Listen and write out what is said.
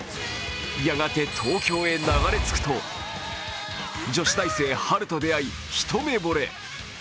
やがて東京へ流れ着くと女子大生・ハルと出会い一目ぼれ。